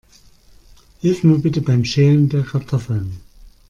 Hilf mir bitte beim Schälen der Kartoffeln.